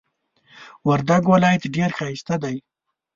وردک ولایت ډیر ښایسته دی.